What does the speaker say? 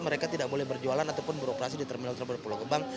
mereka tidak boleh berjualan ataupun beroperasi di terminal terbang pulau gebang